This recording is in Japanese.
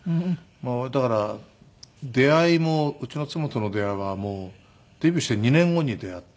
だから出会いもうちの妻との出会いはデビューして２年後に出会って。